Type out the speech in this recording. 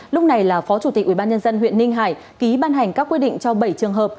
lúc này là phó chủ tịch ubnd huyện ninh hải ký ban hành các quy định cho bảy trường hợp